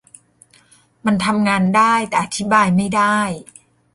มันทำงานได้ แต่อธิบายไม่ได้